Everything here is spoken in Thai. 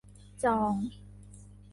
จอง